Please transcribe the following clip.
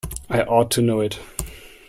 I ought to know it.